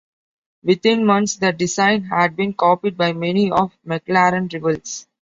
Within months the design had been copied by many of McLaren's rivals.